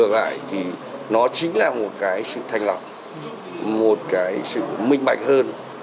tại vì nó chính là một cái sự thanh lọng một cái sự minh bạch hơn